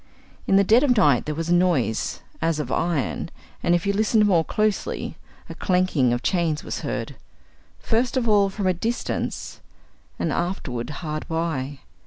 In the dead of night there was a noise as of iron, and, if you listened more closely, a clanking of chains was heard, first of all from a distance, and afterward hard by.